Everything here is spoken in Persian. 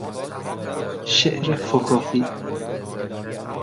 شعر فکاهی